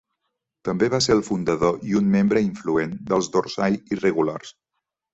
També va ser el fundador i un membre influent dels Dorsai Irregulars.